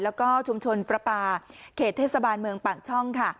แล้วก็ชุมชนประปาเขตเทศบาลเมืองปากช่องค่ะ